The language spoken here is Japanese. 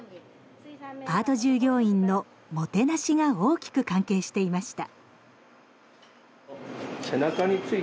パート従業員のもてなしが大きく関係していました。